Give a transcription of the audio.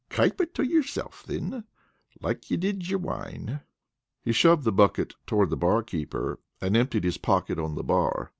"Kape it to yoursilf, thin, like you did your wine." He shoved the bucket toward the barkeeper, and emptied his pocket on the bar.